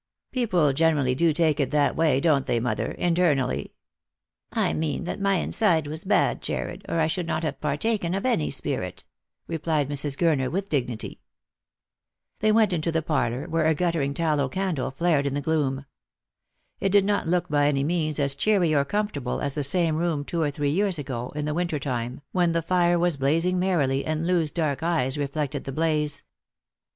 " People generally do take it that way, don't they, mother, internally ?"" I mean that my inside was bad, Jarred, or I should not have partaken of any spirit," replied Mrs. Gurner with dignity. They went into the parlour, where a guttering tallow candle flared in the gloom. It did not look by any means as cheery or comfortable as the same room two or three years ago, in the winter time, when the fire was blazing merrily, and Loo's dark eyes reflected the blaze.